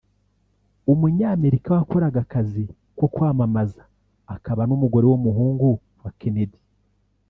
umunyamerika wakoraga akazi ko kwamamaza akaba n’umugore w’umuhungu wa Kennedy